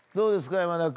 山田君。